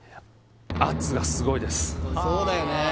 そうだよね